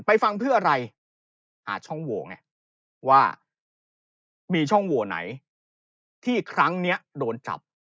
ฟังเพื่ออะไรหาช่องโหวไงว่ามีช่องโหวไหนที่ครั้งนี้โดนจับ